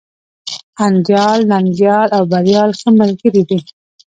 انديال، ننگيال او بريال ښه ملگري دي.